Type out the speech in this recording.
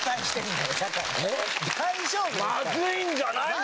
まずいんじゃないの？